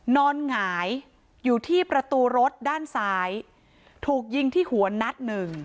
หงายอยู่ที่ประตูรถด้านซ้ายถูกยิงที่หัวนัดหนึ่ง